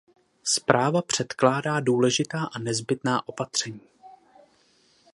Zpráva předkládá důležitá a nezbytná opatření.